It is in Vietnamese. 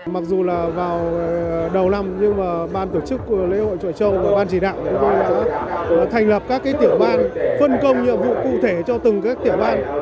mặc dù là vào đầu năm nhưng mà ban tổ chức lễ hội trọi châu ban chỉ đạo chúng tôi sẽ thành lập các tiểu ban phân công nhiệm vụ cụ thể cho từng các tiểu ban